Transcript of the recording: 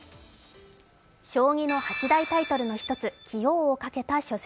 将棋の８大タイトルの１つ、棋王をかけた初戦。